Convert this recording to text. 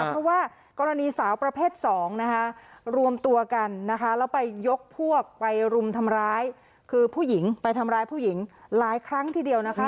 เพราะว่ากรณีสาวประเภท๒นะคะรวมตัวกันนะคะแล้วไปยกพวกไปรุมทำร้ายคือผู้หญิงไปทำร้ายผู้หญิงหลายครั้งทีเดียวนะคะ